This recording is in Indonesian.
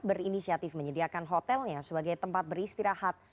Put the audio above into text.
berinisiatif menyediakan hotelnya sebagai tempat beristirahat